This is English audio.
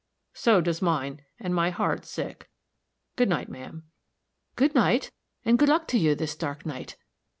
"So does mine, and my heart sick. Good night, ma'am." "Good night, and good luck to you, this dark night."